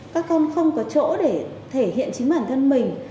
các con không có chỗ để thể hiện chính bản thân mình